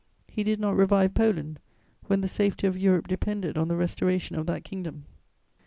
He did not revive Poland, when the safety of Europe depended on the restoration of that kingdom.